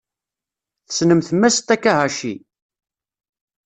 Tessnemt Mass Takahashi?